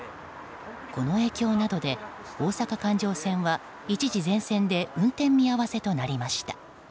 この影響などで大阪環状線は一時全線で運転を見合わせとなりました。